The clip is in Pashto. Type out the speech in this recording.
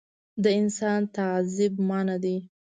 د انسان تعذیب منعه دی.